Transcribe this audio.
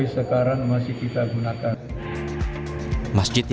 dalam hal hal unematis